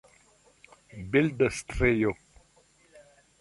bildstrio